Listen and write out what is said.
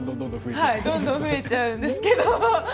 どんどん増えちゃうんですけど。